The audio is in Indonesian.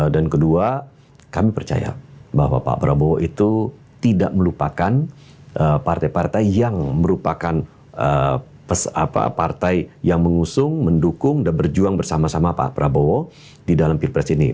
dan kedua kami percaya bahwa pak prabowo itu tidak melupakan partai partai yang merupakan partai yang mengusung mendukung dan berjuang bersama sama pak prabowo di dalam pilpres ini